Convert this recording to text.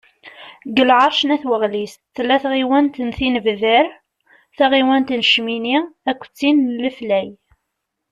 Deg lεerc n At Waɣlis, tella tɣiwant n Tinebdar, taɣiwant n Cmini, akked tin n Leflay.